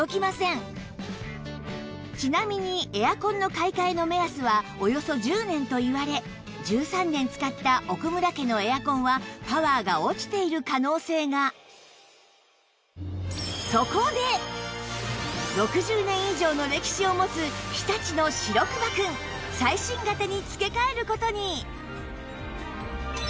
ちなみにエアコンの買い替えの目安はおよそ１０年といわれ１３年使った奥村家のエアコンは６０年以上の歴史を持つ日立の白くまくん最新型に付け替える事に！